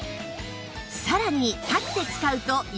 さらに